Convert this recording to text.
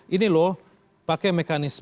ini loh pakai mekanisme